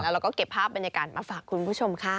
เราก็เก็บภาพบรรยากาศมาฝากคุณผู้ชมค่ะ